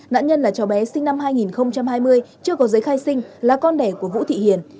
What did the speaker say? nạn nhân là cháu bé sinh năm hai nghìn hai mươi chưa có giấy khai sinh là con đẻ của vũ thị hiền